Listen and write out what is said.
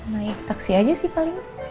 naik taksi aja sih paling